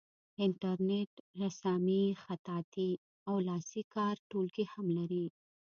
انټرنیټ رسامي خطاطي او لاسي کار ټولګي هم لري.